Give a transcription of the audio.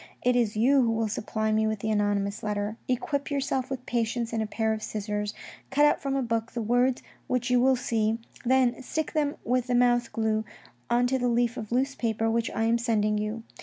" It is you who will supply me with the anonymous letter. Equip yourself with patience and a pair of scissors, cut out from a book the words which you will see, then stick them with the mouth glue on to the leaf of loose paper which I am sending you.